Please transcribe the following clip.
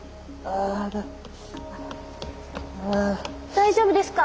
大丈夫ですか？